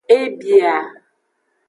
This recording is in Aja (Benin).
E bia.